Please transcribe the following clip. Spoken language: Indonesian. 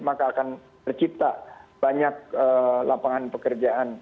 maka akan tercipta banyak lapangan pekerjaan